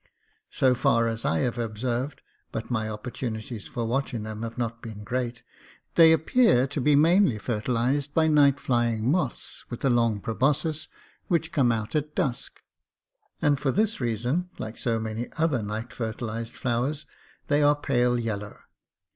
So far as I have observed (but my opportunities for watching them have not been great), they appear to be mainly fertilized by various night flying moths with a long proboscis, which come out at dusk; and for this reason, like so many other night fertilized flowers, they are pale yellow.